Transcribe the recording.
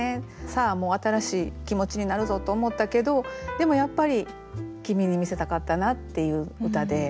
さあもう新しい気持ちになるぞと思ったけどでもやっぱりきみに見せたかったなっていう歌で。